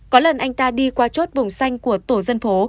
có lần anh ta đi qua chốt vùng xanh của tổ dân phố